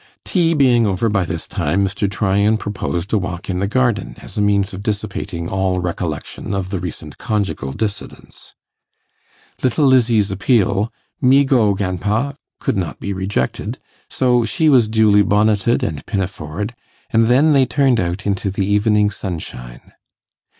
Tea being over by this time, Mr. Tryan proposed a walk in the garden as a means of dissipating all recollection of the recent conjugal dissidence. Little Lizzie's appeal, 'Me go, gandpa!' could not be rejected, so she was duly bonneted and pinafored, and then they turned out into the evening sunshine.